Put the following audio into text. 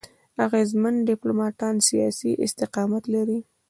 اغېزمن ډيپلوماټان سیاسي استقامت لري.